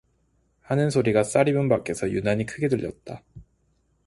하는 소리가 싸리문 밖에서 유난히 크게 들렸다.